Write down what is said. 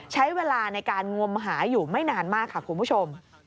ใช้เวลาในการงมหาอยู่ไม่นานมากค่ะคุณผู้ชม